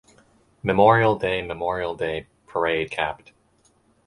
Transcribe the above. Memorial Day-Memorial Day Parade-Capt.